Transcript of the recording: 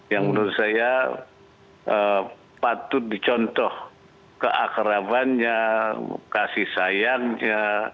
yang menurut saya patut dicontoh keakrabannya kasih sayangnya